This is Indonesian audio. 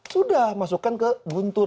sudah masukkan ke guntur